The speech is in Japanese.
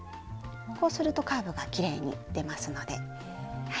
こうするとカーブがきれいに出ますので。